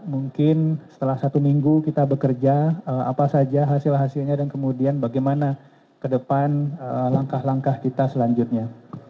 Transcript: mungkin setelah satu minggu kita bekerja apa saja hasil hasilnya dan kemudian bagaimana ke depan langkah langkah kita selanjutnya